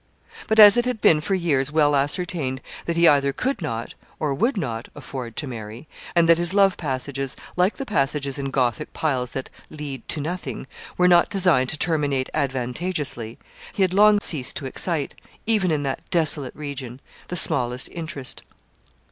But, as it had been for years well ascertained that he either could not or would not afford to marry, and that his love passages, like the passages in Gothic piles that 'lead to nothing,' were not designed to terminate advantageously, he had long ceased to excite, even in that desolate region, the smallest interest.